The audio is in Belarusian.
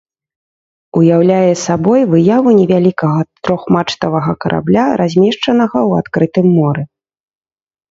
Уяўляе сабой выяву невялікага трохмачтавага карабля, размешчанага ў адкрытым моры.